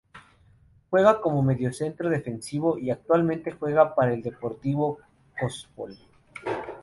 Juega como mediocentro defensivo y actualmente juega para el Deportivo Coopsol.